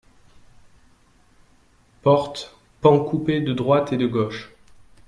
Portes, pan coupé de droite et de gauche.